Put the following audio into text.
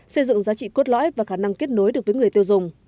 xây dựng giá trị cốt lõi và khả năng kết nối được với người tiêu dùng